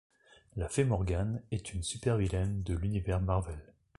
La fée Morgane est une super-vilaine de l'univers Marvel.